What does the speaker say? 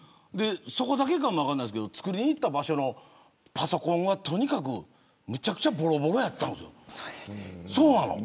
そこだけかも分からないですけど作りに行った場所のパソコンがとにかくめちゃくちゃぼろぼろやったんです。